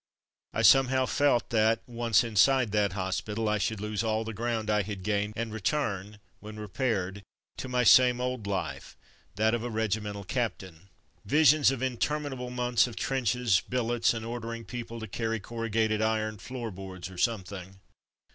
I somehow felt that, once inside that hospital. I should lose all the ground I had gained, and return, when repaired, to my same old life — that of a regimental captain. 130 From Mud to Mufti Visions of interminable months of trench es, billets, and ordering people to carry corru gated iron, floor boards, or something.